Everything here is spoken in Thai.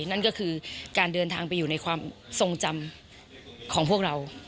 นั่นก็คือการเดินทางไปอยู่ในความทรงจำของพวกเรา